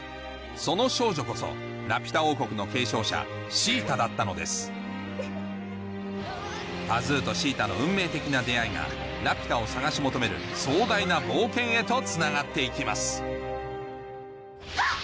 その少女こそラピュタ王国の継承者シータだったのですパズーとシータの運命的な出会いがラピュタを捜し求める壮大な冒険へとつながって行きますあっ！